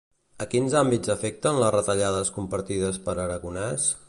A quins àmbits afecten les retallades compartides per Aragonès?